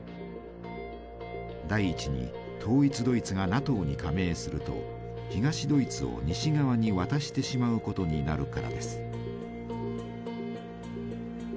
第１に統一ドイツがＮＡＴＯに加盟すると東ドイツを西側に渡してしまうことになるからです。